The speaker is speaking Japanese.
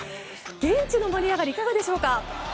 現地の盛り上がりはいかがでしょうか。